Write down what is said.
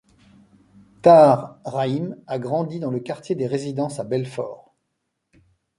Tahar Rahim a grandi dans le quartier des Résidences à Belfort.